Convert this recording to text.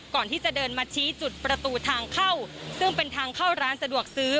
ก่อนที่จะเดินมาชี้จุดประตูทางเข้าซึ่งเป็นทางเข้าร้านสะดวกซื้อ